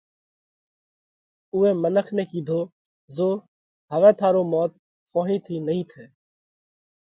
اُوئي منک نئہ ڪِيڌو: زو هوَئہ ٿارو موت ڦونهِي ٿِي نئين ٿئہ